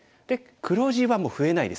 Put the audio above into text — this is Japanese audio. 黒地はもう増えないです